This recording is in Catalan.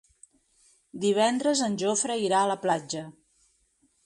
Divendres en Jofre irà a la platja.